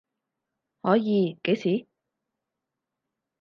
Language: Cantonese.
可以，幾時？